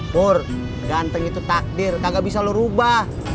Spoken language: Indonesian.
pur ganteng itu takdir nggak bisa lo rubah